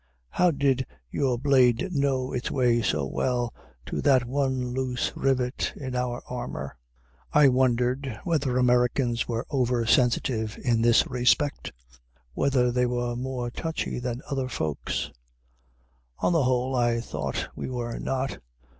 How did your blade know its way so well to that one loose rivet in our armor? I wondered whether Americans were over sensitive in this respect, whether they were more touchy than other folks. On the whole, I thought we were not.